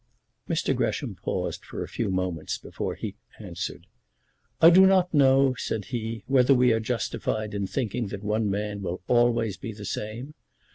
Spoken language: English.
Mr. Gresham paused for a few moments before he answered. "I do not know," said he, "whether we are justified in thinking that one man will always be the same.